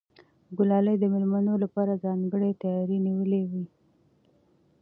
ګلالۍ د مېلمنو لپاره ځانګړی تیاری نیولی و.